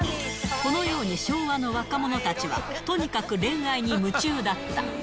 このように、昭和の若者たちはとにかく恋愛に夢中だった。